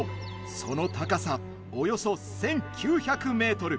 その高さおよそ１９００メートル。